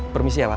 permisi ya pak